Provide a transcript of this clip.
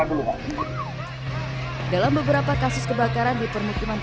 pemadaman diperlukan untuk mengembangkan selang selang yang berbeda